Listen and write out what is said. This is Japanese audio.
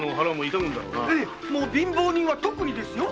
貧乏人は「特に」ですよ。